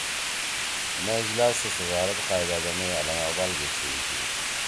مے اجلاس سی صدارت قائداعظم ئے علامہ اقبال گے چھیئی شی